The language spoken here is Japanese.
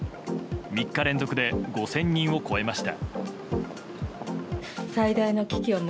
３日連続で５０００人を超えました。